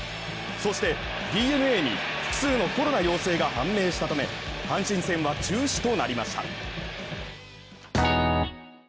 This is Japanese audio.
そしてＤｅＮＡに複数のコロナ陽性が判明したため阪神戦は中止となりました。